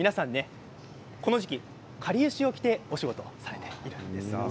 この時期、かりゆしを着てお仕事されているんです。